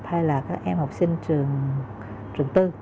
hay các em học sinh trường bốn